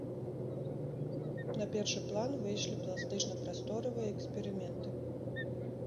На першы план выйшлі пластычна-прасторавыя эксперыменты.